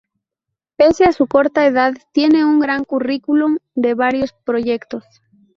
Pese a su corta edad tiene un gran currículum de varios proyectos.